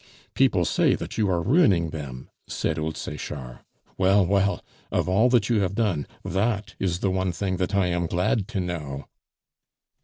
"People say that you are ruining them," said old Sechard. "Well, well, of all that you have done, that is the one thing that I am glad to know."